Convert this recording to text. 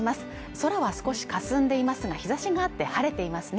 空は少しかすんでいますが日差しがあって晴れていますね。